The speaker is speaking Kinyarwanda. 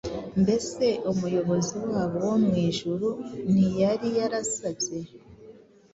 Mbese Umuyobozi wabo wo mu ijuru ntiyari yarasabye